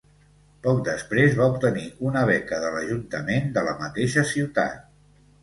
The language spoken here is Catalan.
Poc després va obtenir una beca de l'Ajuntament de la mateixa ciutat.